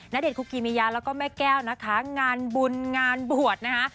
ณเดชนคุกิมิยาแล้วก็แม่แก้วนะคะงานบุญงานบวชนะคะ